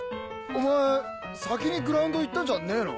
お前先にグラウンド行ったんじゃねえの？